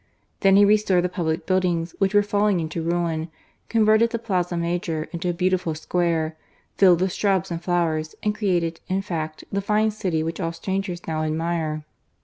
Then he restored the pubhc huildinns which were falHn^' into ruins, con verted the Plaza Major into a beautiful square, filled with shrubs and flowers, and created, in fact, the fine city which all stranjcers now admire.